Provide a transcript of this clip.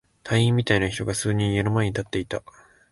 隊員みたいな人が数人、家の前に立っていた。